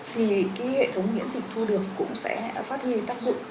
thì cái hệ thống miễn dịch thu được cũng sẽ phát huy tác dụng